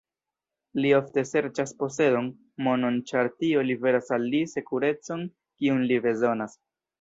Li ofte serĉas posedon, monon ĉar tio liveras al li sekurecon kiun li bezonas.